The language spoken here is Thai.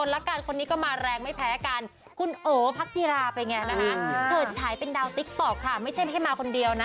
ว้าโหให้รถติดทุกวันนัดใครเอาไว้ก็ไปไม่ทัน